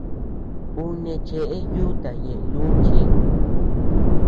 Ú neʼe cheʼe yuta ñeʼe lunchi.